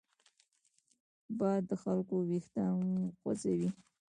باد د خلکو وېښتان خوځوي